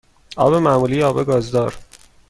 آب معمولی یا آب گازدار؟